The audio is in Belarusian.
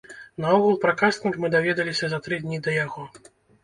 Наогул пра кастынг мы даведаліся за тры дні да яго.